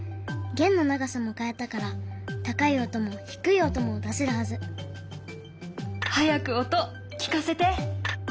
弦の長さもかえたから高い音も低い音も出せるはず。早く音聞かせて。